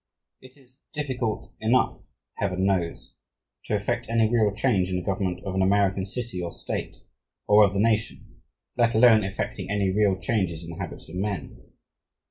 It is difficult enough, Heaven knows, to effect any real change in the government of an American city or state, or of the nation, let alone effecting any real changes in the habits of men.